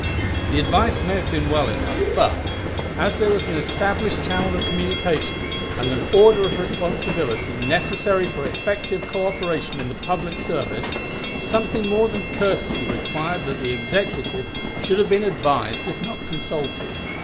The advice may have been well enough, but, as there was an established channel of communication, and an order of responsibility necessary for effective coöperation in the public service, something more than courtesy required that the Executive should have been advised if not consulted.